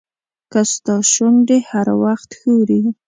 که ستا شونډې هر وخت ښوري.